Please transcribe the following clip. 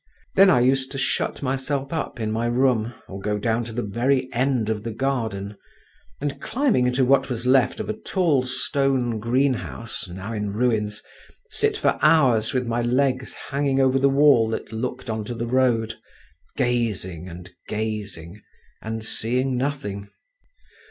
Then I used to shut myself up in my room, or go down to the very end of the garden, and climbing into what was left of a tall stone greenhouse, now in ruins, sit for hours with my legs hanging over the wall that looked on to the road, gazing and gazing and seeing nothing.